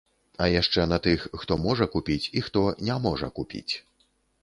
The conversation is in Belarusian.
А яшчэ на тых, хто можа купіць і хто не можа купіць.